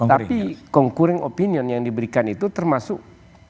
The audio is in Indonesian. tapi congkuring opinion yang diberikan itu termasuk